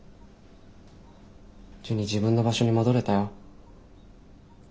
ジュニ自分の場所に戻れたよ。